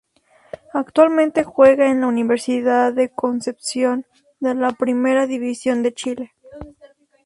Actualmente juega en la Universidad de Concepción de la Primera División de Chile.